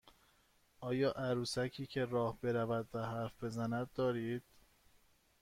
آیا عروسکی که راه برود و حرف بزند دارید؟